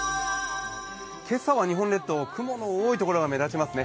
今朝は日本列島雲の多いところが目立ちますね。